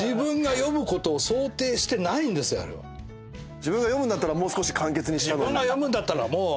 自分が読むんだったらもう少し簡潔にしたのに。